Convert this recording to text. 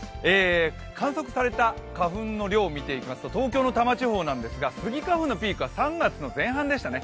観測された花粉の量を見ていきますと、東京の多摩地方なんですがスギ花粉のピークは３月前半でしたね。